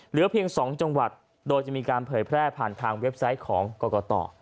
เหลือเพียง๒จังหวัดโดยจะมีการเผยแพร่ผ่านทางเว็บไซต์ของกรกต